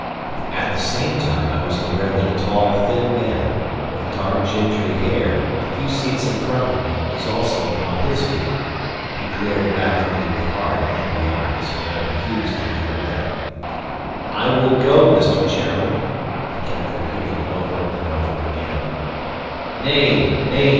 At the same time I was aware that a tall, thin man, with dark gingery hair, a few seats in front of me, was also upon his feet. He glared back at me with hard angry eyes, but I refused to give way. "I will go, Mr. Chairman," I kept repeating over and over again. "Name! Name!"